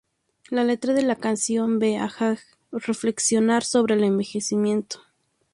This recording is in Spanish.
La letra de la canción ve a Jagger reflexionar sobre el envejecimiento.